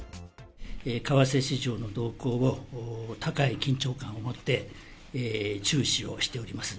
為替市場の動向を高い緊張感を持って注視をしております。